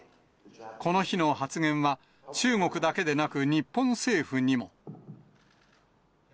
この日の発言は、中国だけでなく日本政府にも。